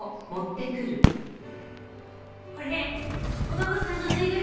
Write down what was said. これお孫さんのぬいぐるみ。